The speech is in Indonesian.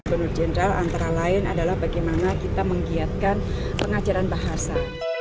penuh general antara lain adalah bagaimana kita menggiatkan pengajaran bahasa